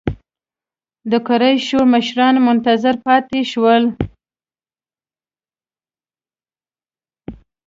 د قریشو مشران منتظر پاتې شول.